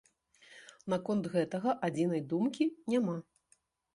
Наконт гэтага адзінай думкі няма.